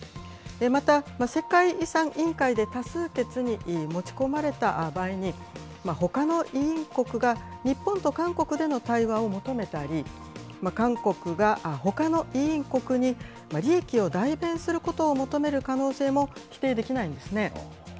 また世界遺産委員会で多数決に持ち込まれた場合に、ほかの委員国が日本と韓国での対話を求めたり、韓国がほかの委員国に利益を代弁することを求める可能性も否定できないんですね。